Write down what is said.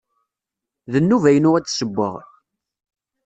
D nnuba-inu ad ssewweɣ.